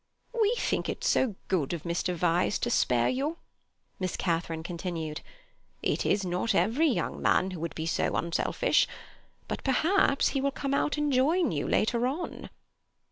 "We think it so good of Mr. Vyse to spare you," Miss Catharine continued. "It is not every young man who would be so unselfish. But perhaps he will come out and join you later on."